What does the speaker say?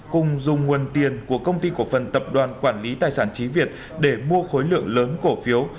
cùng dùng nguồn tiền của công ty cổ phần tập đoàn quản lý tài sản trí việt để mua khối lượng lớn cổ phiếu